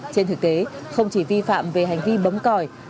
trên thực tế không chỉ vi phạm về hành vi bấm còi